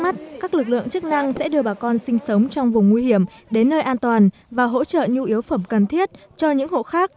mắt các lực lượng chức năng sẽ đưa bà con sinh sống trong vùng nguy hiểm đến nơi an toàn và hỗ trợ nhu yếu phẩm cần thiết cho những hộ khác